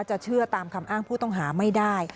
เชื่อตามคำอ้างผู้ต้องหาไม่ได้